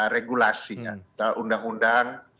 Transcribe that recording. regulasi untuk undang undang